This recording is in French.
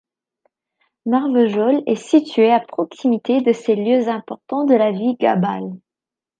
Marvejols est située à proximité de ces lieux importants de la vie gabale.